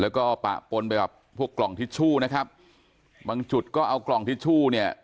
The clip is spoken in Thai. แล้วก็ปะปนไปกับพวกกล่องทิชชู่นะครับบางจุดก็เอากล่องทิชชู่เนี่ย